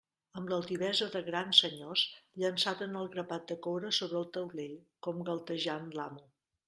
Amb l'altivesa de grans senyors, llançaren el grapat de coure sobre el taulell, com galtejant l'amo.